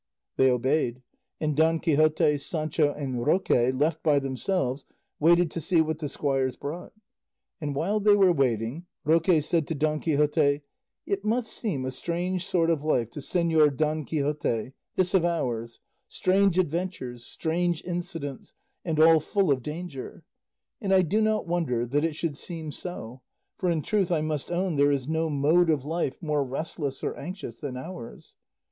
They obeyed, and Don Quixote, Sancho, and Roque, left by themselves, waited to see what the squires brought, and while they were waiting Roque said to Don Quixote, "It must seem a strange sort of life to Señor Don Quixote, this of ours, strange adventures, strange incidents, and all full of danger; and I do not wonder that it should seem so, for in truth I must own there is no mode of life more restless or anxious than ours.